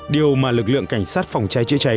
điều mà lực lượng cảnh sát phòng cháy chữa cháy